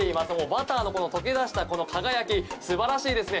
バターの溶け出した輝き素晴らしいですね！